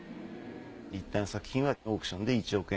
立体の作品はオークションで１億円。